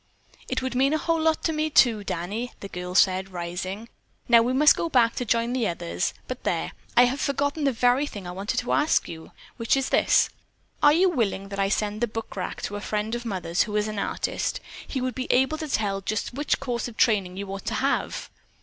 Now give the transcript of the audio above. "It would mean a whole lot to me, too, Danny," the girl said, rising. "Now we must go back to join the others, but there, I have forgotten the very thing that I wanted to ask you, which is this: Are you willing that I send the bookrack to a friend of Mother's who is an artist? He would be able to tell just which course of training you ought to have."